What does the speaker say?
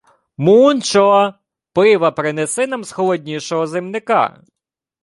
— Мунчо! Пива принеси нам з холоднішого зимника!